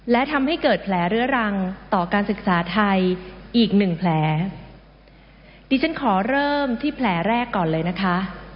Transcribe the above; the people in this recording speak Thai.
และทำให้เกิดแผลเรื้อรังต่อการศึกษาไทยอีกหนึ่งแผลดิฉันขอเริ่มที่แผลแรกก่อนเลยนะคะ